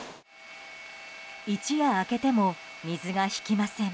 一夜明けても水が引きません。